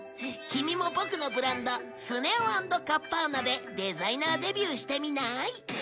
キミもボクのブランドスネ夫＆カッパーナでデザイナーデビューしてみない？